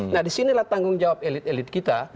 nah disinilah tanggung jawab elit elit kita